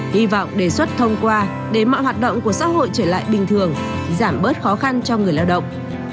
hy vọng đề xuất thông qua để mọi hoạt động của xã hội trở lại bình thường giảm bớt khó khăn cho người lao động